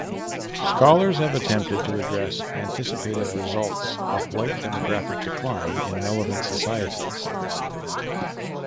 Scholars have attempted to address anticipated results of white demographic decline in relevant societies.